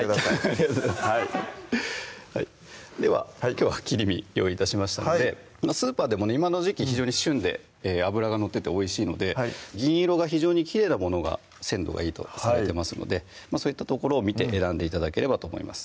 ありがとうございますではきょうは切り身用意致しましたのでスーパーでも今の時季非常に旬で脂が乗ってておいしいので銀色が非常にきれいなものが鮮度がいいとされてますのでそういった所を見て選んで頂ければと思います